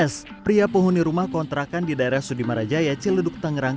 s pria pohon di rumah kontrakan di daerah sudi marajaya ciledug tangerang